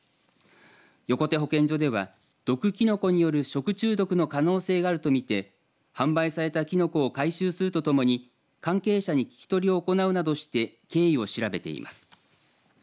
横手保健所では毒きのこによる食中毒の可能性があると見て販売されたきのこを回収するとともに関係者に聞き取りを行うなどして経緯を調べています。